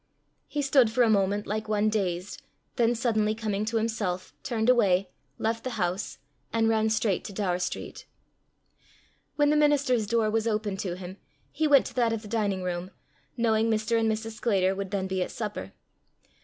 He stood for a moment like one dazed, then suddenly coming to himself, turned away, left the house, and ran straight to Daur street. When the minister's door was opened to him, he went to that of the dining room, knowing Mr. and Mrs. Sclater would then be at supper.